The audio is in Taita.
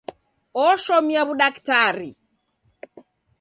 Oshomia w'udaktari.